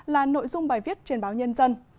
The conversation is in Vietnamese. là nội dung bài viết trên báo nhân dân